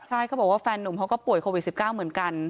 ใช่เขาบอกว่าแฟนนุ่มเขาก็ป่วยโควิด๑๙เหมือนกัน